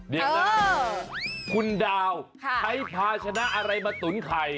เดี๋ยวนะคุณดาวใช้ภาชนะอะไรมาตุ๋นไข่